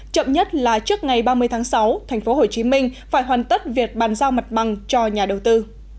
chậm nhất là trước ngày ba mươi tháng sáu tp hcm phải hoàn tất việc bàn giao mặt bằng cho nhà đầu tư